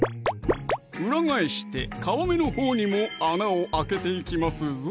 裏返して皮目のほうにも穴をあけていきますぞ